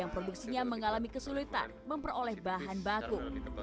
yang produksinya mengalami kesulitan memperoleh bahan baku